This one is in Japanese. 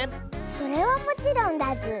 それはもちろんだズー！